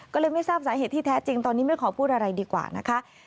ก็เลยไม่ทราบสาเหตุที่แท้จริงตอนนี้ไม่ขอพูดอะไรดีกว่านะคะ